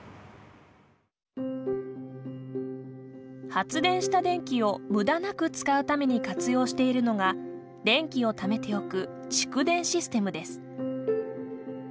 発電した電気を無駄なく使うために活用しているのが電気をためておく蓄電システムです。